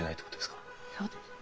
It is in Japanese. そうですね。